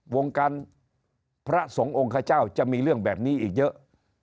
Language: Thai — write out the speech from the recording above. วงการพระสงฆ์องค์ขเจ้าจะมีเรื่องแบบนี้อีกเยอะ